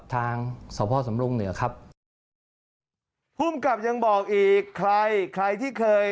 ทางสพสำรงเหนือครับภูมิกับยังบอกอีกใครใครที่เคย